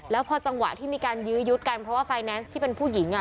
แล้วพอจังหวะที่มีการยื้อยุดกันเพราะว่าไฟแนนซ์ที่เป็นผู้หญิงอ่ะ